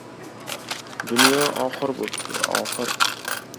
Dunyo oxir bo‘pti, oxir!